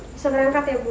bisa terangkat ya bu